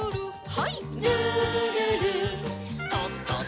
はい。